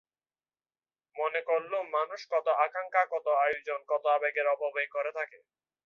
মনে করলুম মানুষ কত আকাঙ্খা, কত আয়োজন, কত আবেগের অপব্যয় করে থাকে।